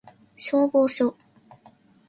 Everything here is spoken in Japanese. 消防署